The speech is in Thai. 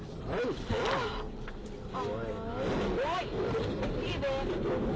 โอ้ยพี่เดชน์